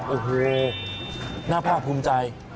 โอ้โหน่าภาคภูมิใจ